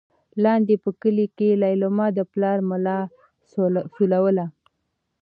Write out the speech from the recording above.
لاندې په کلي کې لېلما د پلار ملا سولوله.